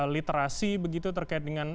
literasi begitu terkait dengan